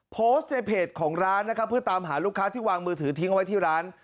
โพสต์ในเพจของร้านนะครับเพื่อตามหาลูกค้าที่วางมือถือทิ้งเอาไว้ที่ร้าน